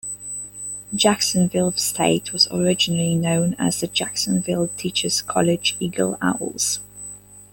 Jacksonville State was originally known as the Jacksonville Teachers College Eagle Owls.